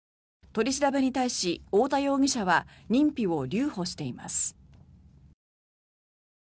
取り調べに対し、太田容疑者は認否を留保しています。